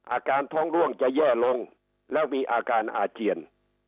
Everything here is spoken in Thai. อาการท้องร่วงจะแย่ลงแล้วมีอาการอาเจียน